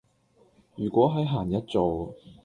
如果喺閒日做